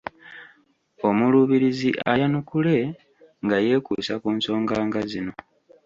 Omuluubirizi ayanukule nga yeekuusa ku nsonga nga zino